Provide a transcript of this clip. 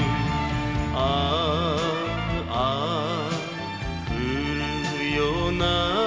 「ああ降るような」